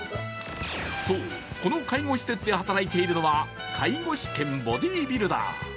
そう、この介護施設で働いているのは介護士兼ボディービルダー。